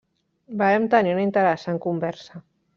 Vàrem tenir una interessant conversa.